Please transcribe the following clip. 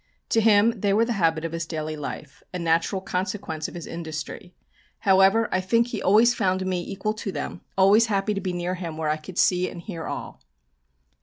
To him they were the habit of his daily life, a natural consequence of his industry. However, I think he always found me equal to them, always happy to be near him where I could see and hear all.